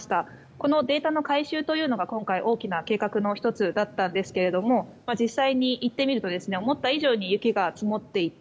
このデータの回収というのが今回大きな計画の１つだったんですが実際に行ってみると思った以上に雪が積もっていて